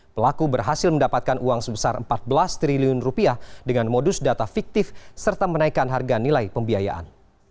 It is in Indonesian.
pelaku berhasil mendapatkan uang sebesar empat belas triliun rupiah dengan modus data fiktif serta menaikkan harga nilai pembiayaan